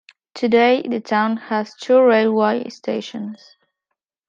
Today the town has two railway stations.